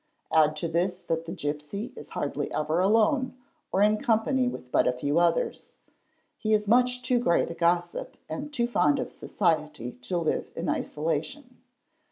Add to this that the gipsy is hardly ever alone or in company with but a fe v others; he is much too great a gossip and too fond of society to live i isolation.